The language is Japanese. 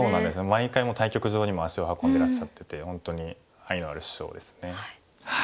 毎回対局場にも足を運んでらっしゃってて本当に愛のある師匠ですね。